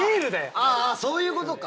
あぁそういうことか。